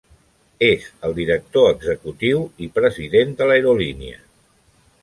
És el director executiu i president de l'aerolínia.